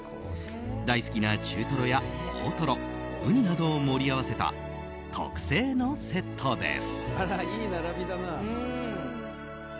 大好きな中トロや大トロウニなどを盛り合わせた特製のセットです。